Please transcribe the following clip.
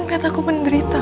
kenapa aku menderita